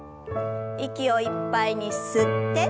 息をいっぱいに吸って。